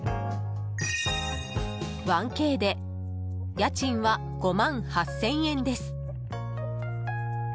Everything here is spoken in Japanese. １Ｋで家賃は５万８０００円です。